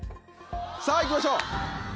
さぁ行きましょう。